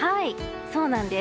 そうなんです。